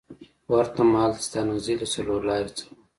ورته مهال د ستانکزي له څلورلارې څخه